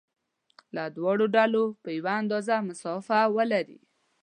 له دواړو ډلو په یوه اندازه مسافه ولري.